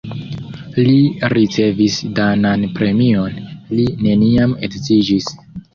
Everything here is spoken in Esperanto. Li ricevis danan premion, li neniam edziĝis.